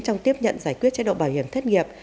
trong tiếp nhận giải quyết chế độ bảo hiểm thất nghiệp